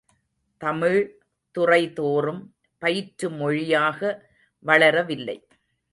தமிழ் துறைதோறும் பயிற்றுமொழியாக வளரவில்லை.